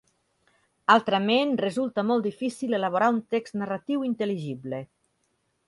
Altrament resulta molt difícil elaborar un text narratiu intel·ligible.